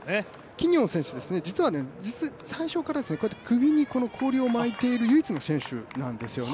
キニオン選手、実は最初から首に氷を巻いている唯一の選手なんですよね。